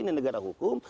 ini negara hukum